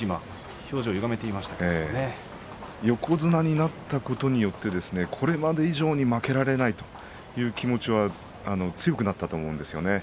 横綱になったことによってこれまで以上に負けられないという気持ちが強くなったんだと思います。